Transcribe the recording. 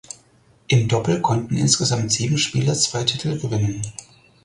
Im Doppel konnten insgesamt sieben Spieler zwei Titeln gewinnen.